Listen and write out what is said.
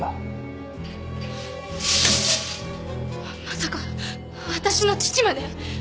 まさか私の父まで？